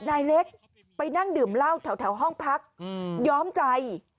นายเล็กไปนั่งดื่มเหล้าแถวห้องพักย้อมใจ